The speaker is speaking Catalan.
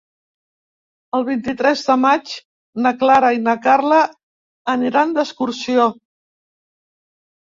El vint-i-tres de maig na Clara i na Carla aniran d'excursió.